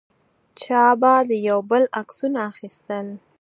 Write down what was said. چا به د یو بل عکسونه اخیستل.